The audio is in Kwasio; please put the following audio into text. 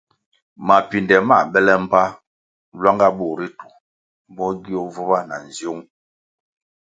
Mapinde mā bele mbpa lwanga bur ritu mo gio vubah na nziung.